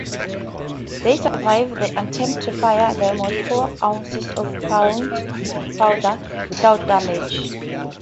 They survived the attempt to fire them with four ounces of powder without damage.